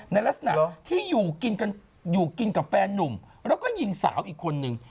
ในลักษณะที่อยู่กินกับแฟนนุ่มแล้วก็ยิงสาวอีกคนนึง